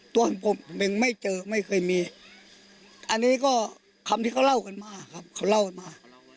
กันด้วยนี่ก็คำที่เขาเล่ากันมาครับเขาเล่ากันมา